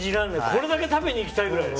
これだけ食べに行きたいぐらい。